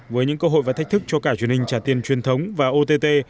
với những cơ hội và thách thức cho cả truyền hình trả tiền truyền thống và ott